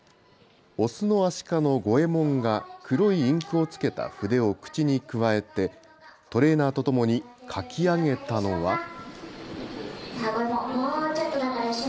オスのアシカのゴエモンが黒いインクを付けた筆を口にくわえてトレーナーとともに書き上げたのは。